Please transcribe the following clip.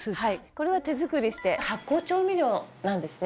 「これは手作りして発酵調味料なんですね」